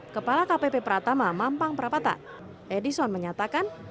kepala kpp pratama mampang perapatan edison menyatakan